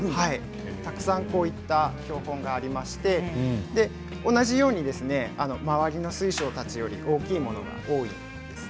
たくさんこういった標本がありまして同じように周りの水晶たちより大きいものが多いです。